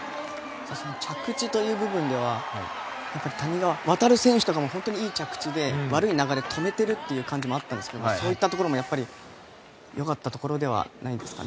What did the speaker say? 着地という部分では谷川航選手とかも本当にいい着地で悪い流れを止めているという感じもあったんですけどそういったところも良かったところじゃないですか？